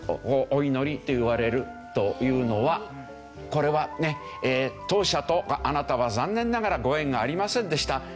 「お祈り」といわれるというのはこれはね「当社とあなたは残念ながらご縁がありませんでした」